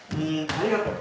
ありがとう。